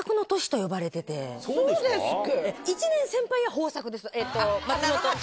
そうですか？